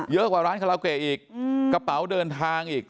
กว่าร้านคาราโกะอีกกระเป๋าเดินทางอีก